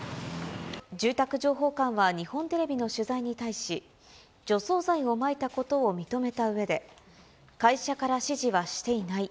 住宅情報館は日本テレビの取材に対し、除草剤をまいたことを認めたうえで、会社から指示はしていない。